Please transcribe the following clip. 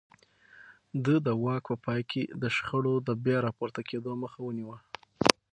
ده د واک په پای کې د شخړو د بيا راپورته کېدو مخه ونيوه.